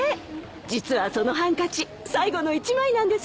実はそのハンカチ最後の１枚なんですよ。